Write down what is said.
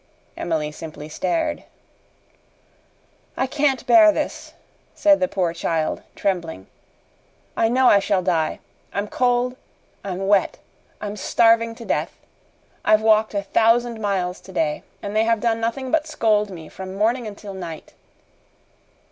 Emily simply stared. "I can't bear this," said the poor child, trembling. "I know I shall die. I'm cold; I'm wet; I'm starving to death. I've walked a thousand miles today, and they have done nothing but scold me from morning until night.